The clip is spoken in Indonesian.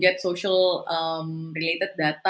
lebih sulit untuk mendapatkan data